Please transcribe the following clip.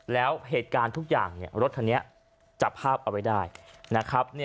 แล้วเหตุการณ์ทุกอย่างรถคันนี้จับภาพเอาไว้ได้นะครับ